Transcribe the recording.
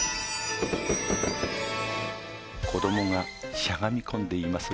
子供がしゃがみこんでいます